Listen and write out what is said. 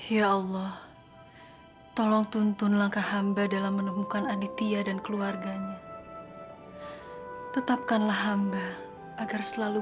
yang telah menolong hamba